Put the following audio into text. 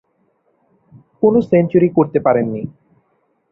কোনো সেঞ্চুরি করতে পারেননি।